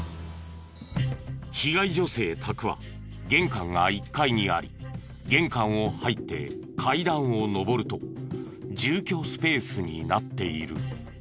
被害女性宅は玄関が１階にあり玄関を入って階段を上ると住居スペースになっている。